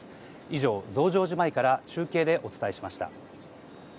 以上、増上寺前から中継でお伝えしました。